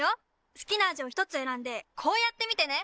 好きな味を１つ選んでこうやって見てね！